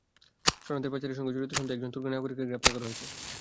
শরণার্থী পাচারের সঙ্গে জড়িত সন্দেহে একজন তুর্কি নাগরিককে গ্রেপ্তার করা হয়েছে।